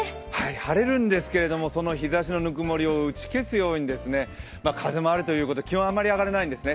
晴れるんですけれども、この日ざしの温もりを打ち消すように風もあるということで気温はあまり上がらないんですね。